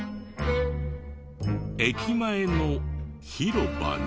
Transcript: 駅前の広場に。